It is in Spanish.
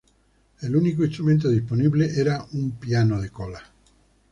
El único instrumento disponible era un piano de cola.